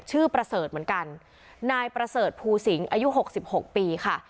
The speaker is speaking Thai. ประเสริฐเหมือนกันนายประเสริฐภูสิงอายุหกสิบหกปีค่ะ